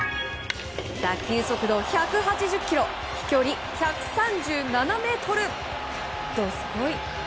打球速度１８０キロ飛距離１３７ｍどすこい！